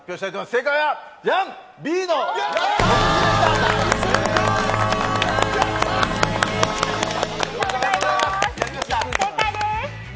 正解です！